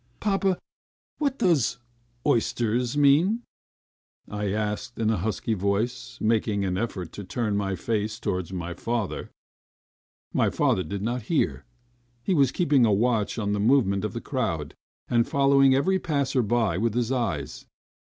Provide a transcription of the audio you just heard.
"Papa, what does 'oysters' mean?" I asked in a husky voice, making an effort to turn my face towards my father. My father did not hear. He was keeping a watch on the movements of the crowd, and following every passer by with his eyes.